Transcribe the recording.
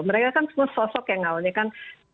mereka kan semua sosok yang awalnya kan